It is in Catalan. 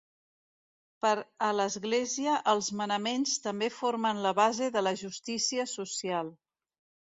Per a l'Església els manaments també formen la base de la justícia social.